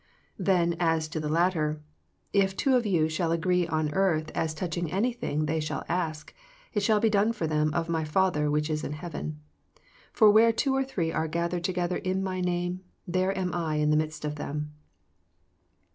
Then as to the latter, " If two of you shall agree on earth as touching anything they shall ask, it shall be done for them of My Father which is in heaven. For where two or three are gathered together in My name, there am I in the midst of them."